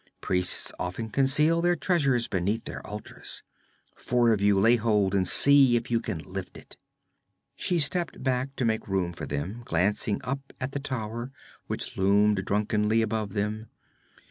Priests often conceal their treasures beneath their altars. Four of you lay hold and see if you can lift it.' She stepped back to make room for them, glancing up at the tower which loomed drunkenly above them.